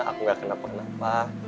aku gak kena apa apa